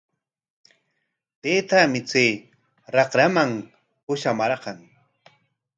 Taytaami chay raqraman pushamarqan.